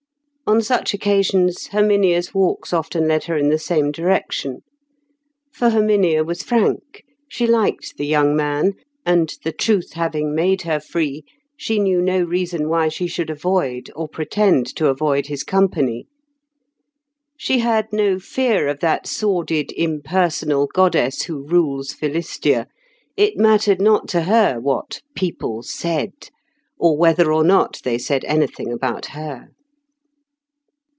On such occasions, Herminia's walks often led her in the same direction. For Herminia was frank; she liked the young man, and, the truth having made her free, she knew no reason why she should avoid or pretend to avoid his company. She had no fear of that sordid impersonal goddess who rules Philistia; it mattered not to her what "people said," or whether or not they said anything about her.